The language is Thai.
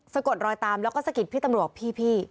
กดรอยตามแล้วก็สะกิดพี่ตำรวจพี่